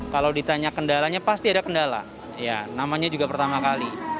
kalau ditanya kendalanya pasti ada kendala ya namanya juga pertama kali